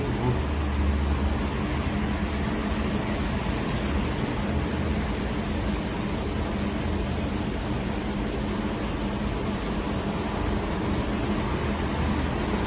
ผมจะรู้เนาะรู้นอน